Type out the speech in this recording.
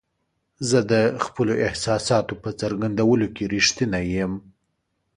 زه د خپلو احساساتو په څرګندولو کې رښتینی یم.